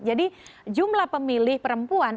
jadi jumlah pemilih perempuan